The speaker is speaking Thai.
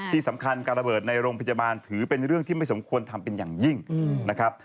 ที่สำคัญการระเบิดในโรงพยาบาลถือเป็นเรื่องที่ไม่สมควรทำเป็นอย่างยิ่งนะครับ